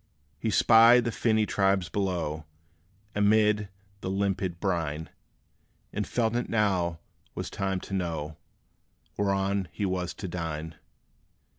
He spied the finny tribes below, Amid the limpid brine; And felt it now was time to know Whereon he was to dine.